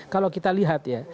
kalau kita lihat ya